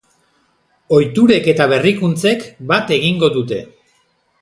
Ohiturek eta berrikuntzek bat egingo dute.